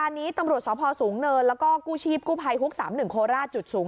อันนั้นเป็นเจ้าของร้าน